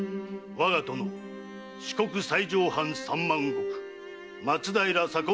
我が殿四国西条藩三万石松平左近